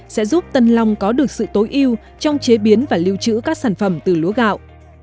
sẽ giúp tân long có được sự tối ưu trong chế biến và lưu trữ các sản phẩm từ lúa gạo